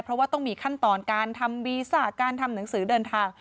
เพราะว่าต้องมีขั้นตอนการทำวีศาสตร์การทำหนังสือเดินทาง